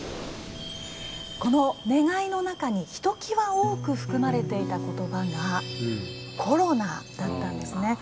この願いの中にひときわ多く含まれていた言葉が「コロナ」だったんですね。